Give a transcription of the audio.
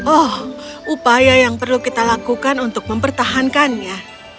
oh upaya yang perlu kita lakukan untuk mempertahankannya